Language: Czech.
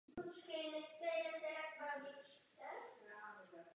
Epizody jejich návštěvy budou v rámci nového pořadu vycházet na Televizi Seznam.